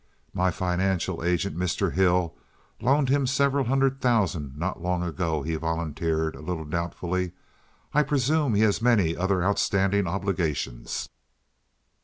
"My financial agent, Mr. Hill, loaned him several hundred thousand not long ago," he volunteered, a little doubtfully. "I presume he has many other outstanding obligations."